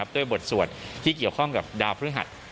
ด้วยบทสวดที่เกี่ยวข้องกับดาวพฤหัส